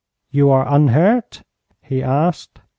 'You are unhurt?' he asked.